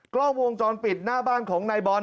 กล้องวงจรปิดหน้าบ้านของนายบอล